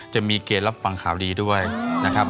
จะมีเกณฑ์รับฟังข่าวดีด้วยนะครับ